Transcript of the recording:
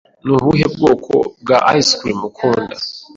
Ni ubuhe bwoko bwa ice cream ukunda?